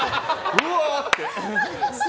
うわーって。